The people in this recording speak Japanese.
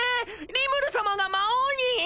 リムル様が魔王に？